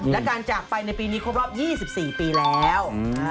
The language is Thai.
และการจากไปในปีนี้ครบรอบ๒๔ปีแล้ว